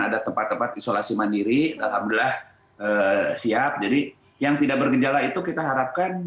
ada tempat tempat isolasi mandiri alhamdulillah siap jadi yang tidak bergejala itu kita harapkan